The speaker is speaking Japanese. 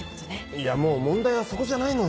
いやもう問題はそこじゃないのよ